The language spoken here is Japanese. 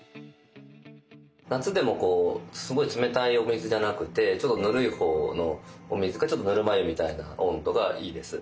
夏でもすごい冷たいお水じゃなくてちょっとぬるい方のお水かぬるま湯みたいな温度がいいです。